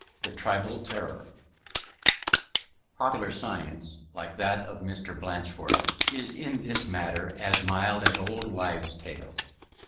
THE TRIBAL TERROR Popular science, like that of Mr. Blatchford, is in this matter as mild as old wives' tales.